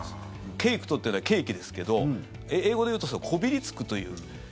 ｃａｋｅｄっていうのはケーキですけど英語で言うとこびりつくという。